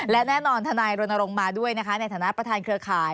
และแน่นอนทนายรณรงค์มาด้วยนะคะในฐานะประธานเครือข่าย